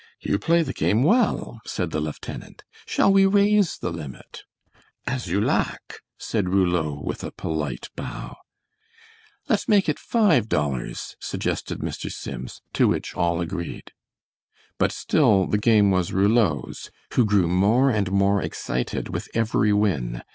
"You play the game well," said the lieutenant. "Shall we raise the limit?" "As you lak," said Rouleau, with a polite bow. "Let's make it five dollars," suggested Mr. Sims, to which all agreed. But still the game was Rouleau's, who grew more and more excited with every win.